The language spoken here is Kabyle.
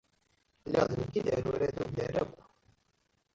Lliɣ d nekk i d arurad ugar akk.